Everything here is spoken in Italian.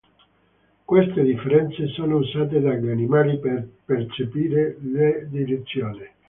Queste differenze sono usate dagli animali per percepire la direzione.